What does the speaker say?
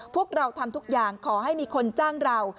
พวกเราทำทุกอย่างขอให้มีคนจ้างเรา